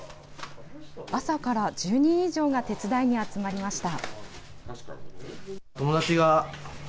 朝から、１０人以上が手伝いに集まりました。